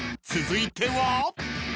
［続いては］